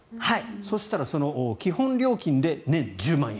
そしたら基本料金で年１０万円。